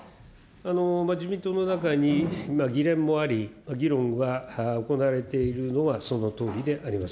自民党の中に議連もあり、議論は行われているのはそのとおりであります。